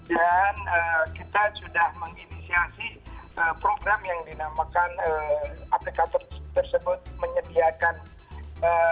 dan kita sudah menginisiasi program yang dinamakan aplikator tersebut menyediakan tas untuk delivery sebagai penganti kantong belanja